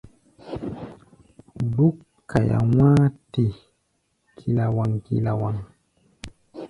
Búk kaia wá̧á̧-te kilawaŋ-kilawaŋ.